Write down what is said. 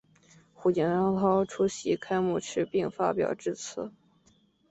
胡锦涛出席开幕式并发表致辞。